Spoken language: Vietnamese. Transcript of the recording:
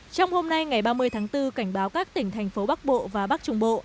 trong hôm nay ngày ba mươi tháng bốn cảnh báo các tỉnh thành phố bắc bộ và bắc trung bộ